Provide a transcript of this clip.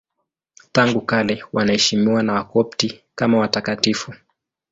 Tangu kale wanaheshimiwa na Wakopti kama watakatifu.